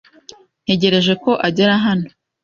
Ntegereje ko agera hano.